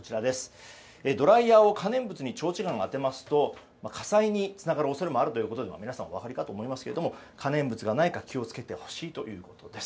ドライヤーを可燃物に長時間当てますと火災につながる恐れもあるということで皆さん、お分かりかと思いますが可燃物がないか気を付けてほしいということです。